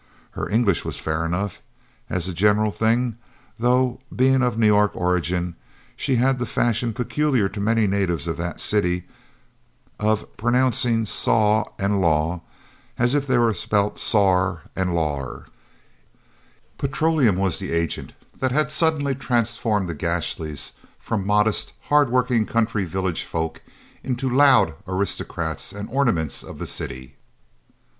Her English was fair enough, as a general thing though, being of New York origin, she had the fashion peculiar to many natives of that city of pronouncing saw and law as if they were spelt sawr and lawr. Petroleum was the agent that had suddenly transformed the Gashlys from modest hard working country village folk into "loud" aristocrats and ornaments of the city.